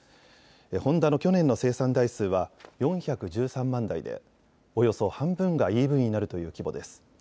ホンダの去年の生産台数は４１３万台でおよそ半分がＥＶになるという規模です。